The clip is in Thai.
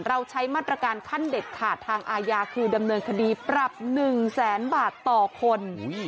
เราใช้มาตรการขั้นเด็ดขาดทางอาญาคือดำเนินคดีปรับ๑แสนบาทต่อคน